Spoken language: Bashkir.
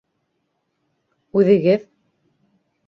Үҙегеҙ